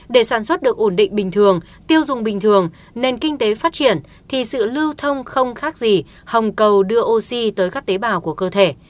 để sản xuất được ổn định bình thường tiêu dùng bình thường nền kinh tế phát triển thì sự lưu thông không khác gì hồng cầu đưa oxy tới các tế bào của cơ thể